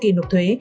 kỳ luật thuế